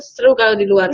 seru kalau di luar